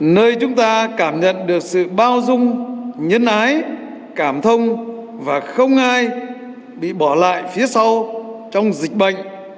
nơi chúng ta cảm nhận được sự bao dung nhân ái cảm thông và không ai bị bỏ lại phía sau trong dịch bệnh